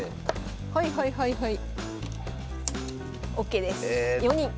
はいはいはいはい。